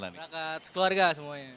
berangkat sekeluarga semuanya